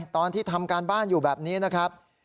ตอนที่ทำการบ้านอยู่แบบนี้นะครับ